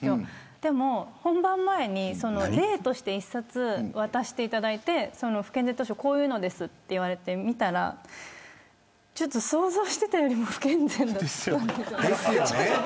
でも本番前に例として１冊渡していただいて不健全図書こういうのですと言われて見たら想像していたよりも不健全だったので。ですよね。